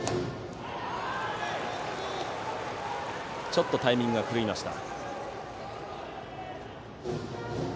ちょっとタイミングが狂いました。